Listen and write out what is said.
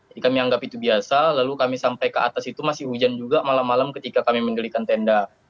jadi kami anggap itu biasa lalu kami sampai ke atas itu masih hujan juga malam malam ketika kami mendelikan tenda